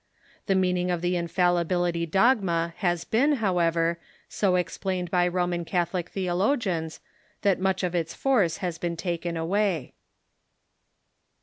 The meaning of the infallibility dogma has been, however, so explained by Roman Catholic theologians that much of its force has been taken away.